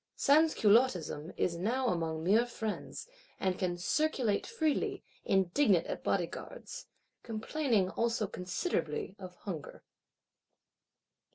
Sansculottism is now among mere friends; and can "circulate freely;" indignant at Bodyguards;—complaining also considerably of hunger.